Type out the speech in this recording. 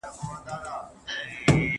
پانګونه د پرمختګ لپاره لار هواروي.